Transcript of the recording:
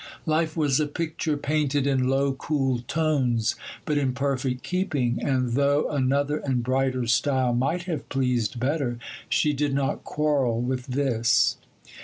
Life was a picture painted in low, cool tones, but in perfect keeping; and though another and brighter style might have pleased better, she did not quarrel with this.